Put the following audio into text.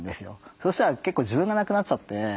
そしたら結構自分がなくなっちゃって。